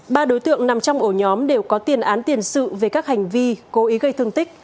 ba đối tượng nằm trong ổ nhóm đều có tiền án tiền sự về các hành vi cố ý gây thương tích